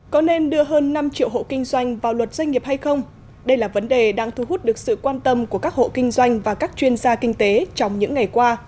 có nên đưa hơn năm triệu hộ kinh doanh vào luật doanh nghiệp hay không đây là vấn đề đang thu hút được sự quan tâm của các hộ kinh doanh và các chuyên gia kinh tế trong những ngày qua